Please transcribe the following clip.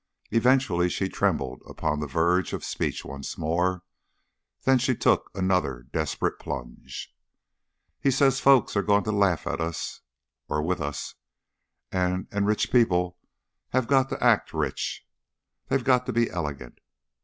Eventually she trembled upon the verge of speech once more, then she took another desperate plunge. "He says folks are going to laugh at us or with us, and and rich people have got to act rich. They got to be elegant."